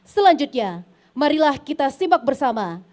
selanjutnya marilah kita simak bersama